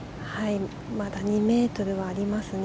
まだ２ｍはありますね。